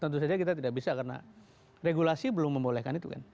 tentu saja kita tidak bisa karena regulasi belum membolehkan itu kan